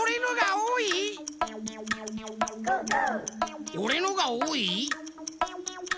おれのがおおい？